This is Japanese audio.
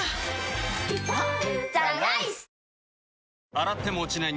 洗っても落ちない